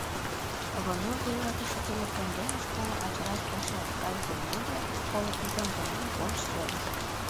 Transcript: Роно вуйлатыше телефон дене школым ачалаш пашадарге-моге коло тӱжем теҥгем пуаш сӧрыш.